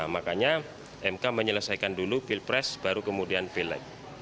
makanya mk menyelesaikan dulu pilpres baru kemudian pilek